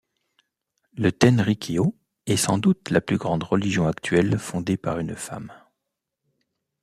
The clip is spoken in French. Le tenrikyō est sans doute la plus grande religion actuelle fondée par une femme.